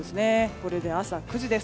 これで朝９時です。